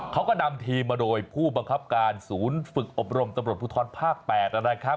เขาก็นำทีมมาโดยผู้บังคับการศูนย์ฝึกอบรมตำรวจภูทรภาค๘นะครับ